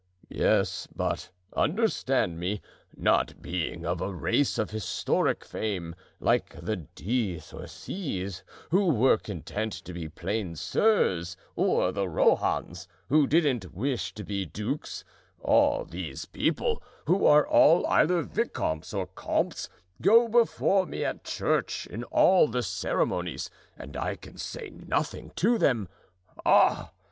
"Yes, but understand me; not being of a race of historic fame, like the De Courcys, who were content to be plain sirs, or the Rohans, who didn't wish to be dukes, all these people, who are all either vicomtes or comtes go before me at church in all the ceremonies, and I can say nothing to them. Ah!